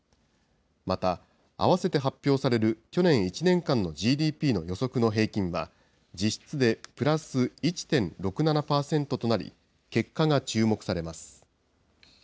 また、合わせて発表される去年１年間のＧＤＰの予測の平均は、実質でプラス１．６７％となり、結果が注目されます。